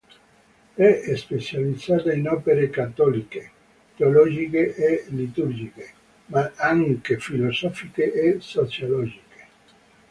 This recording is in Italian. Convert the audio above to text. È specializzata in opere cattoliche, teologiche e liturgiche, ma anche filosofiche e sociologiche.